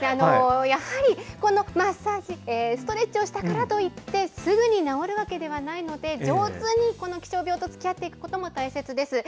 やはりこのマッサージ、ストレッチをしたからといって、すぐに治るわけではないので、上手にこの気象病とつきあっていくことも大切です。